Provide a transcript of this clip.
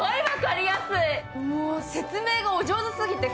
もう説明がお上手すぎて。